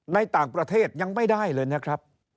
ในต่างประเทศยังไม่ได้เลยนะครับ